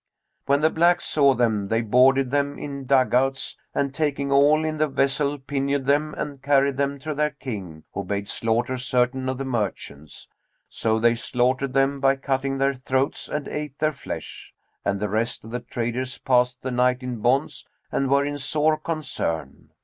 When the blacks saw them, they boarded them in dug outs[FN#233] and, taking all in the vessel, pinioned them and carried them to their King, who bade slaughter certain of the merchants. So they slaughtered them by cutting their throats and ate their flesh; and the rest of the traders passed the night in bonds and were in sore concern.